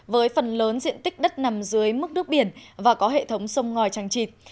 với phần lớn diện tích đất nằm dưới mức nước biển và có hệ thống sông ngòi trành trịt